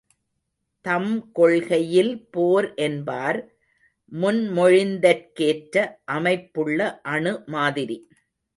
தம் கொள்கையில் போர் என்பார் முன்மொழிந்தற்கேற்ற அமைப்புள்ள அணு மாதிரி.